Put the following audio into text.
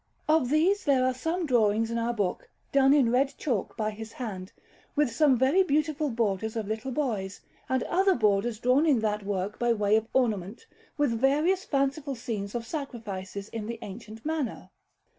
Of these there are some drawings in our book, done in red chalk by his hand, with some very beautiful borders of little boys, and other borders drawn in that work by way of ornament, with various fanciful scenes of sacrifices in the ancient manner.